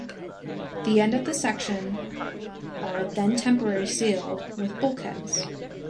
The ends of the section are then temporarily sealed with bulkheads.